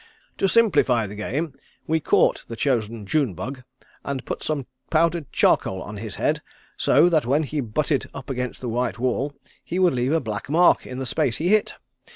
To simplify the game we caught the chosen June bug and put some powdered charcoal on his head, so that when he butted up against the white wall he would leave a black mark in the space he hit.